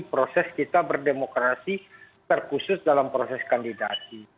proses kita berdemokrasi terkhusus dalam proses kandidasi